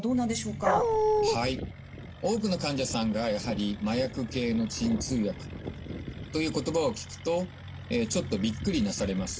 多くの患者さんがやはり麻薬系の鎮痛薬という言葉を聞くとちょっとびっくりなされます。